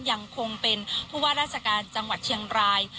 ยังคงเป็นผู้ว่าราชการจังหวัดเชียงราย